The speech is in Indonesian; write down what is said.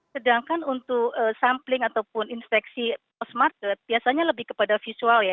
sedangkan untuk sampling ataupun inspeksi post market biasanya lebih kepada visual ya